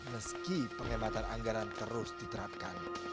meski penghematan anggaran terus diterapkan